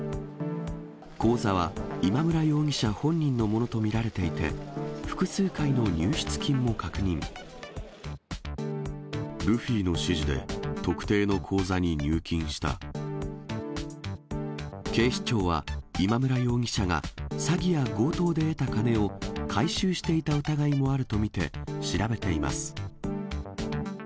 口座は今村容疑者本人のものと見られていて、ルフィの指示で、特定の口座警視庁は、今村容疑者が詐欺や強盗で得た金を回収していた疑いもあると見て調べています。